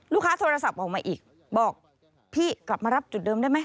โทรศัพท์ออกมาอีกบอกพี่กลับมารับจุดเดิมได้ไหม